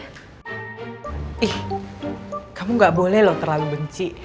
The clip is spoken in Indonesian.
ih kamu gak boleh loh terlalu benci